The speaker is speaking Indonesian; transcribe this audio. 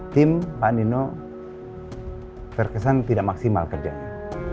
tim pak nino terkesan tidak maksimal kerjanya